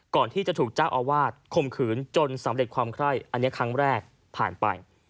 ก่อนที่จะถูกเจ้าอาวาสคมขืนจนสำเร็จความไคร้อันนี้ครั้งแรกผ่านไป